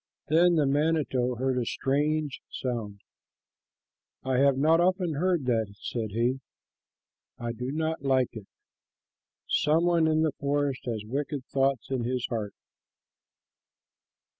Then the manito heard a strange sound. "I have not often heard that," said he. "I do not like it. Some one in the forest has wicked thoughts in his heart."